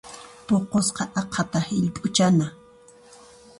Puqusqa aqhata hillp'uchana.